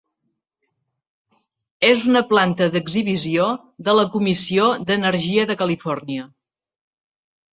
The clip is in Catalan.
És una planta d'exhibició de la Comissió d'Energia de Califòrnia.